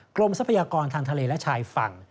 ทรัพยากรทางทะเลและชายฝั่ง